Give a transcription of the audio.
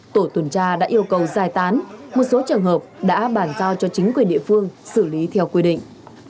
tổ tuần tra đã yêu cầu giải tán một số trường hợp đã bàn giao cho chính quyền địa phương xử lý theo quy định